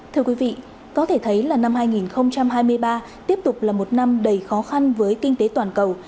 thưa quý vị có thể thấy là năm hai nghìn hai mươi ba tiếp tục là một năm đầy khó khăn với kinh tế toàn cầu